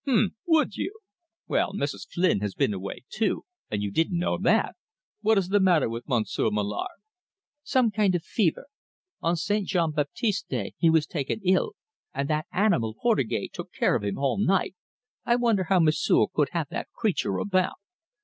"H'm! Would you? Well, Mrs. Flynn has been away too and you didn't know that! What is the matter with Monsieur Mallard?" "Some kind of fever. On St. Jean Baptiste's day he was taken ill, and that animal Portugais took care of him all night I wonder how M'sieu' can have the creature about!